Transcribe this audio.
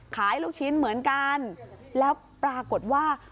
ลูกชิ้นเหมือนกันแล้วปรากฏว่า